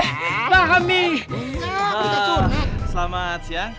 kita sunat selamat siang